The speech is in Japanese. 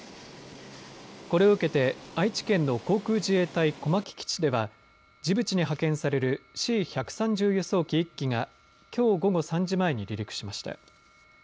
これを受けて愛知県の航空自衛隊小牧基地ではジブチに派遣されるＣ１３０輸送機１機がきょう午後３時前に離陸しました。